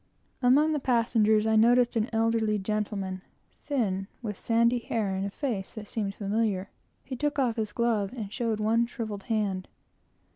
Among the passengers I noticed an elderly gentleman, thin, with sandy hair and face that seemed familiar. He took off his glove and showed one shrivelled hand.